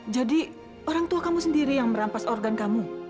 jadi orang tua kamu sendiri yang merampas organ kamu